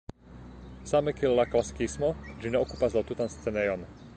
Same kiel la klasikismo ĝi ne okupas la tutan scenejon.